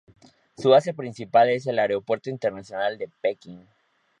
Su base principal es el Aeropuerto Internacional de Pekín.